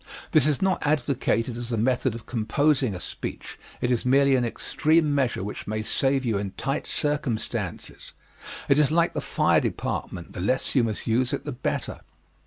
This is not advocated as a method of composing a speech it is merely an extreme measure which may save you in tight circumstances. It is like the fire department the less you must use it the better.